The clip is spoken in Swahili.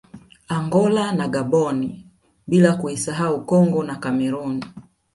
Angola na Gaboni bila kuisahau Congo na Cameroon